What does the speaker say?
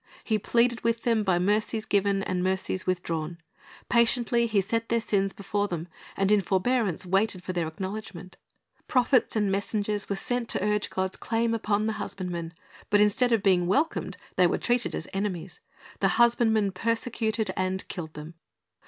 He pleaded with them by mercies given and mercies withdrawn. Patiently He set their sins before them, and in forbearance waited for their acknowledgment. Prophets and messengers were sent to urge God's claim upon the husbandmen; but instead of being welcomed, they were treated as enemies. The husbandmen persecuted and killed them.